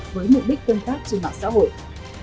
với mục đích tân tác trên mạng xã hội